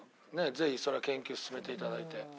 ぜひそれは研究進めて頂いて。